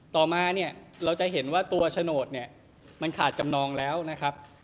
ต่อมาเนี่ยเราจะเห็นว่าตัวโฉนดเนี่ยมันขาดจำนองแล้วนะครับ